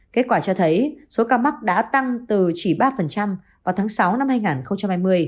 kết quả cho thấy số ca mắc đã tăng từ chỉ ba vào tháng sáu năm hai nghìn hai mươi